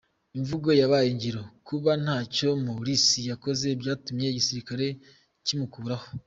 Imvugo yabaye ingiro; kuba ntacyo Morsi yakoze byatumye igisirikare kimukuraho.